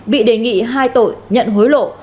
bị đề nghị hai tội nhận hối lộ